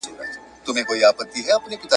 چي هامان ته خبر ورغى موسکی سو `